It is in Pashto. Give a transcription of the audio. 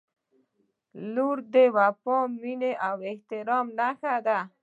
• لور د وفا، مینې او احترام نښه ده.